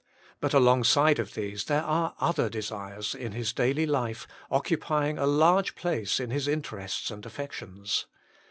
But alongside of these there are other desires in his daily life occupying a large place in his interests and affections.